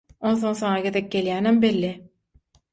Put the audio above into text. onsoň saňa gezek gelýänem belli.